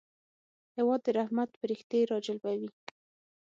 هېواد د رحمت پرښتې راجلبوي.